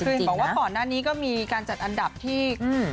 คือเห็นบอกว่าก่อนหน้านี้ก็มีการจัดอันดับที่